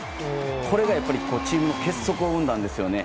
これがやっぱりチームの結束を生んだんですよね。